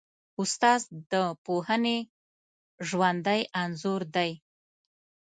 استاد د پوهنې ژوندی انځور دی.